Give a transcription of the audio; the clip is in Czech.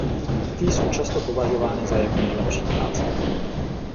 Ty jsou často považovány za jeho nejlepší práce.